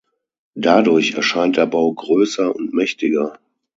Dadurch erscheint der Bau grösser und mächtiger.